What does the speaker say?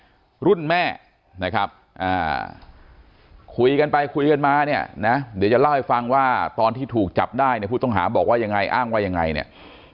รุ่นแม่นะครับคุยกันไปคุยกันมาเนี่ยนะเดี๋ยวจะเล่าให้ฟังว่าตอนที่ถูกจับได้เนี่ยผู้ต้องหาบอกว่ายังไงอ้างว่ายังไงเนี่ย